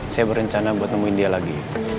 saya berencana buat nemuin dia lagi